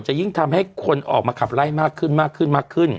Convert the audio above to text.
ยิ่งทำให้คนออกมาขับไล่มากขึ้นมากขึ้นมากขึ้น